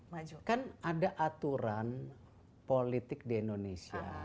maju kan ada aturan politik di indonesia